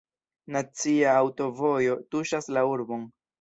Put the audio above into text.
Nacia aŭtovojo tuŝas la urbon.